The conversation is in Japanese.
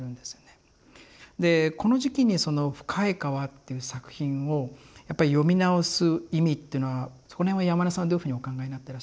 でこの時期に「深い河」っていう作品をやっぱり読み直す意味っていうのはそこら辺は山根さんどういうふうにお考えになってらっしゃるか。